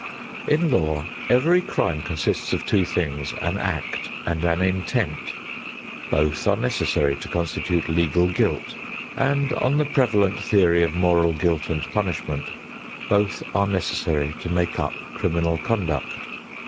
In law every crime consists of two things: an act and an intent. Both are necessary to constitute legal guilt, and on the prevalent theory of moral guilt and punishment both are necessary to make up criminal conduct.